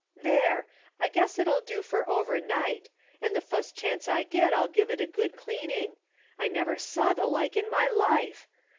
" There ! I guess it'll do fer over night, and the fust chance I get I'll give it a good clean ing. I never saw the like in my life